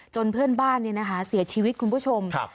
จนเพื่อนบ้านเนี่ยนะคะเสียชีวิตคุณผู้ชมครับ